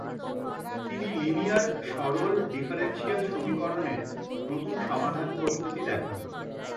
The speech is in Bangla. তিনি লিনিয়ার সরল ডিফারেন্সিয়াল সমীকরণের নতুন সমাধান পদ্ধতি দেখান।